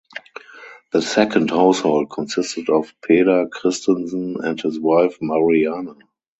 The second household consisted of Peder Christensen and his wife Mariana.